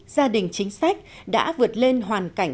gia đình chính sách đã vượt lên hoàn cảnh